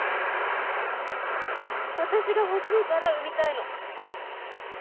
私が欲しいから産みたいの。